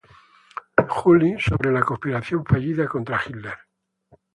Juli", sobre la conspiración fallida contra Hitler.